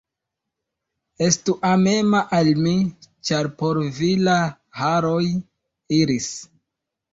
Estu amema al mi, ĉar por vi la haroj iris.